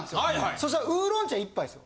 そしたらウーロン茶１杯ですよ。